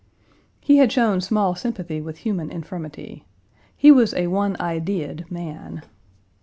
"He had shown small sympathy with human infirmity. He was a one idea ed man.